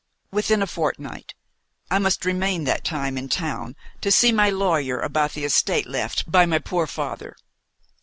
"Within a fortnight. I must remain that time in town to see my lawyer about the estate left by my poor father."